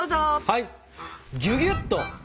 はい！